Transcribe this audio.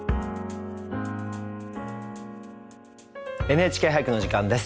「ＮＨＫ俳句」の時間です。